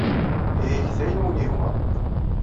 Ihi get akken ay awen-yehwa.